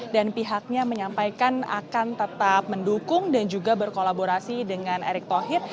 dan pihaknya menyampaikan akan tetap mendukung dan juga berkolaborasi dengan erick thohir